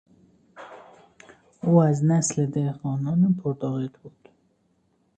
او از نسل دهقانان پر طاقت بود.